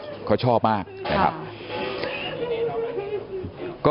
ลูกชายวัย๑๘ขวบบวชหน้าไฟให้กับพุ่งชนจนเสียชีวิตแล้วนะครับ